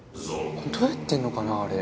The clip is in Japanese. どうやってんのかなあれ。